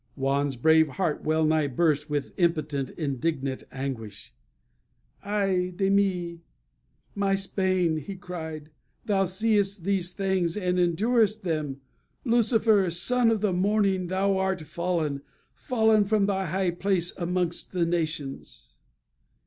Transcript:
Juan's brave heart well nigh burst with impotent, indignant anguish. "Ay de mi, my Spain!" he cried; "thou seest these things, and endurest them. Lucifer, son of the morning, thou art fallen fallen from thy high place amongst the nations."